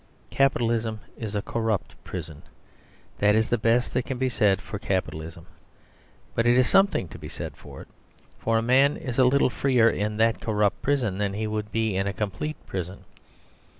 Capitalism is a corrupt prison. That is the best that can be said for Capitalism. But it is something to be said for it; for a man is a little freer in that corrupt prison than he would be in a complete prison.